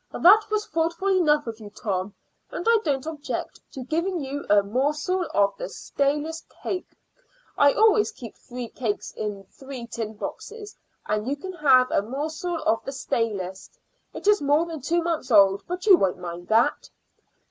"That was thoughtful enough of you, Tom, and I don't object to giving you a morsel of the stalest cake. I always keep three cakes in three tin boxes, and you can have a morsel of the stalest; it is more than two months old, but you won't mind that."